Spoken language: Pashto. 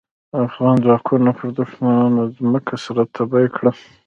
افغان ځواکونو پر دوښمنانو ځمکه سره تبۍ کړه.